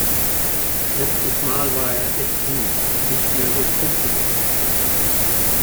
Letztes Mal war er echt süß. Nicht mehr so krumpelig.